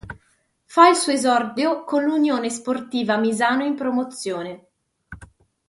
Fa il suo esordio con l'Unione Sportiva Misano in Promozione.